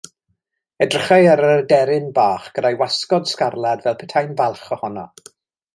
Edrychai ar yr aderyn bach gyda'i wasgod sgarlad fel petai'n falch ohono.